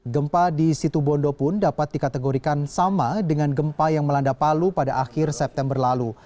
gempa di situ bondo pun dapat dikategorikan sama dengan gempa yang melanda palu pada akhir september lalu